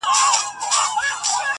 اې تاته وايم دغه ستا تر سترگو بـد ايسو~